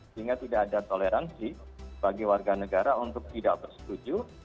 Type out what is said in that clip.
sehingga tidak ada toleransi bagi warga negara untuk tidak bersetuju